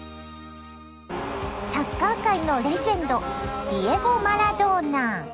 サッカー界のレジェンドディエゴ・マラドーナ。